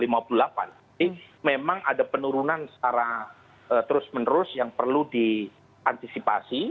jadi memang ada penurunan secara terus menerus yang perlu diantisipasi